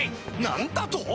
何だと！？